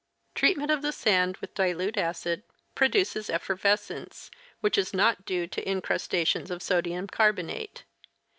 Treatment of the sand with dilute acid produces effervescence, which is not due to incrustations of sodium carbonate.